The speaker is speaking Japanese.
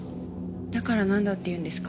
だからなんだっていうんですか？